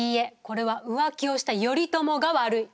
これは浮気をした頼朝が悪い！